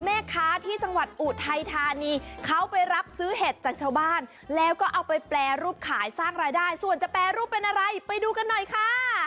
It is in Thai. แม่ค้าที่จังหวัดอุทัยธานีเขาไปรับซื้อเห็ดจากชาวบ้านแล้วก็เอาไปแปรรูปขายสร้างรายได้ส่วนจะแปรรูปเป็นอะไรไปดูกันหน่อยค่ะ